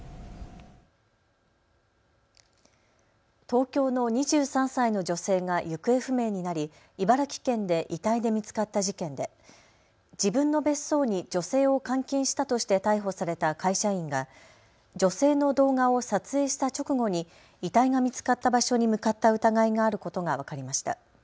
東京の２３歳の女性が行方不明になり茨城県で遺体で見つかった事件で自分の別荘に女性を監禁したとして逮捕された会社員が女性の動画を撮影した直後に遺体が見つかった場所に向かった疑いがあることが分かりました。